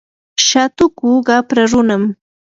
shatuku qapra runam.